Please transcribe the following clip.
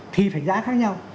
thì phải giá khác nhau